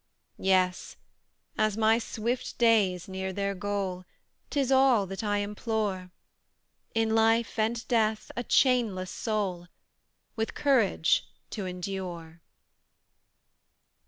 Yes, as my swift days near their goal: 'Tis all that I implore; In life and death a chainless soul, With courage to endure.